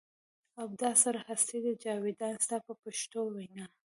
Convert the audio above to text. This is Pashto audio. ابدا سره هستي ده جاویدان ستا په پښتو وینا.